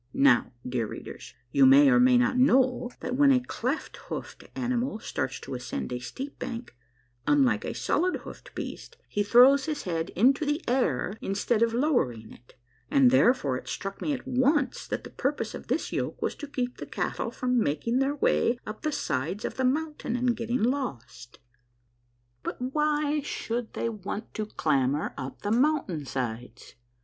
Now, dear readers, you may or may not know that when a cleft hoofed animal starts to ascend a steep bank, unlike a solid hoofed beast, he throws his head into the air instead of lowering it, and therefore it struck me at once that the purpose of this yoke was to keep the cattle from making their way up the sides of the mountain and getting lost. But why should they want to clamber up the mountain sides